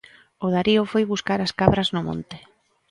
O Darío foi buscar as cabras no monte.